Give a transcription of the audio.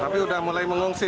tapi sudah mulai mengungsi